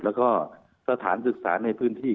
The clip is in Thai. แล้วก็สถานศึกษาในพื้นที่